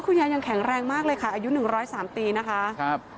ยังแข็งแรงมากเลยค่ะอายุหนึ่งร้อยสามปีนะคะครับ